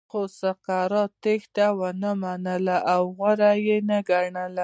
خو سقراط تېښته ونه منله او غوره یې نه ګڼله.